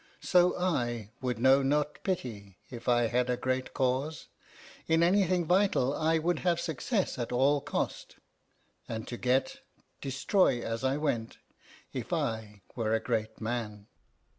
So I would know not pity if I had a great cause. In anything vital I would have success at all cost, and to get, destroy as I went if I were a great man."